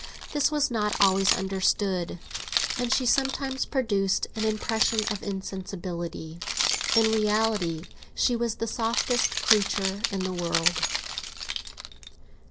This was not always understood, and she sometimes produced an impression of insensibility. In reality she was the softest creature in the world.